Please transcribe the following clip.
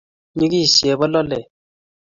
Nyigis chebololet